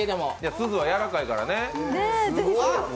すずはやわらかいからね。